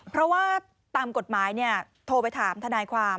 เพราะว่าตามกฎหมายโทรไปถามทนายความ